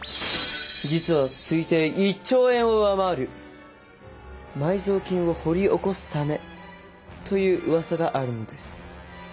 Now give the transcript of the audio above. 実は推定１兆円を上回る埋蔵金を掘り起こすためといううわさがあるのです。